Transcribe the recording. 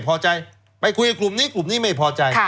ไปคุยกลุ่มนี้ไอ้กลุ่มนี้ไม่พอใจ